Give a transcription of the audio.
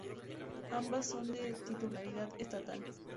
Ambas son de titularidad estatal.